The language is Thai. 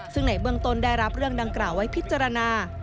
ซึ่งในเบื้องต้นได้รับเรื่องดังกล่าวไว้พิจารณา